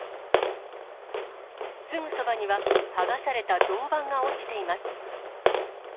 すぐそばには剥がされた銅板が落ちています。